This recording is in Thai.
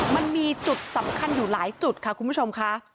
มันมีจุดสำคัญอยู่หลายจุดค่ะคุณผู้ชมค่ะ